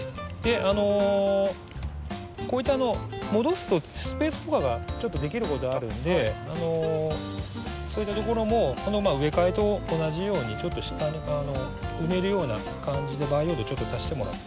あのこうやって戻すとスペースとかがちょっとできることあるのでそういったところも植え替えと同じようにちょっと埋めるような感じで培養土をちょっと足してもらって。